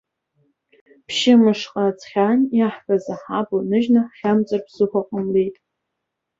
Ԥшьымшҟа ҵхьан, иаҳкыз аҳабла ныжьны ҳхьамҵыр ԥсыхәа ҟамлеит.